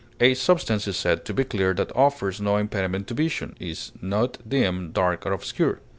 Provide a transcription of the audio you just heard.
A substance is said to be clear that offers no impediment to vision is not dim, dark, or obscure.